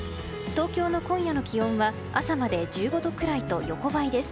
東京の今夜の気温は朝まで１５度くらいと横ばいです。